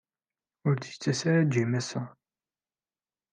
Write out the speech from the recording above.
Ur d-yettas ara Jim ass-a.